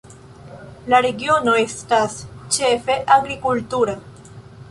La regiono estas ĉefe agrikultura.